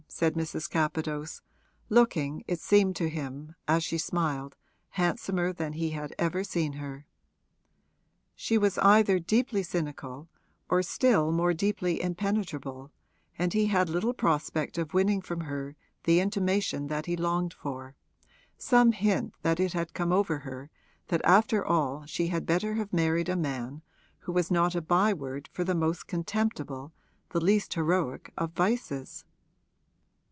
said Mrs. Capadose, looking, it seemed to him, as she smiled, handsomer than he had ever seen her. She was either deeply cynical or still more deeply impenetrable, and he had little prospect of winning from her the intimation that he longed for some hint that it had come over her that after all she had better have married a man who was not a by word for the most contemptible, the least heroic, of vices.